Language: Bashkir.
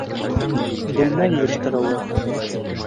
Бүлмә йыйыштырыулы.